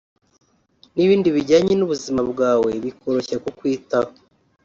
n’ibindi bijyanye n’ubuzima bwawe bikoroshya kukwitaho